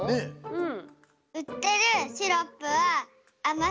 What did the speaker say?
うん！